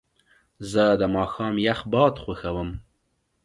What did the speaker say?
زه د ماښام یخ باد خوښوم.